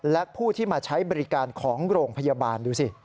และผู้ที่มาใช้บริการของโรงพยาบาลดูสิ